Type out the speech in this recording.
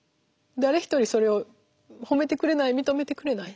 誰一人それを褒めてくれない認めてくれない。